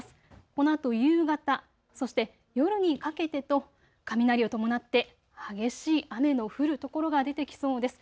このあと夕方、そして夜にかけてと雷を伴って激しい雨の降る所が出てきそうです。